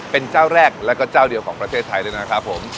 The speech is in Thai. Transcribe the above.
เป็นเจ้าแรกแล้วก็เจ้าเดียวของประเทศไทยเลยนะครับผม